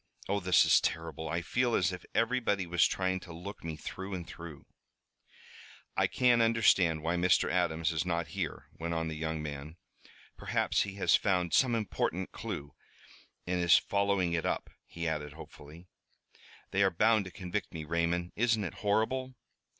"Oh, this is terrible! I feel as if everybody was trying to look me through and through!" "I can't understand why Mr. Adams is not here," went on the young man. "Perhaps he has found some important clew and is following it up," he added hopefully. "They are bound to convict me, Raymond! Isn't it horrible?"